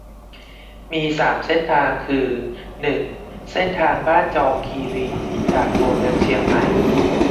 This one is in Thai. มี สาม เส้นทาง คือ หนึ่ง เส้นทางบ้านจอมคีรี จากตัวเมืองเชียงใหม่